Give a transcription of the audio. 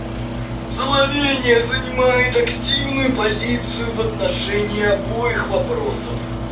Словения занимает активную позицию в отношении обоих вопросов.